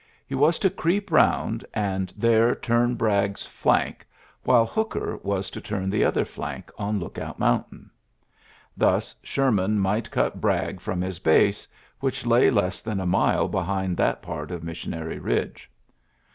He was to creep round and there turn Bragg's flank, while Hooker was to turn the other flank on Lookout Mountain. Thus Sherman might cut Bragg from his base, which lay less than a mile behind that part of Missionary Bidge.